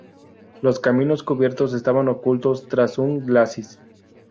Los caminos cubiertos estaban ocultos tras un glacis.